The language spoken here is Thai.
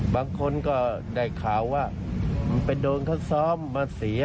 บางคนก็ได้ข่าวว่าไปโดนเขาซ้อมมาเสีย